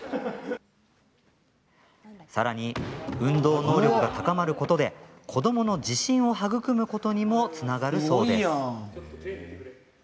さらに、運動能力が高まることで子どもの自信を育むことにもつながるそうです。